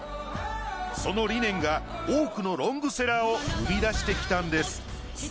その理念が多くのロングセラーを生み出してきたのです。